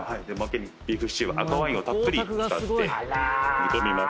ビーフシチュー赤ワインをたっぷり使って。